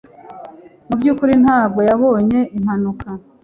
Mu byukuri ntabwo yabonye impanuka